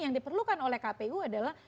yang diperlukan oleh kpu adalah